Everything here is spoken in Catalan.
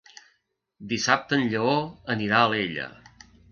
Dissabte en Lleó anirà a Alella.